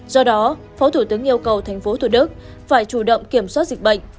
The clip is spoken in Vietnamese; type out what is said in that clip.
do đó phó thủ tướng yêu cầu tp thủ đức phải chủ động kiểm soát dịch bệnh